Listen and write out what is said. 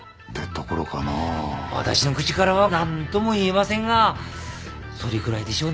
私の口からは何とも言えませんがそれくらいでしょうね。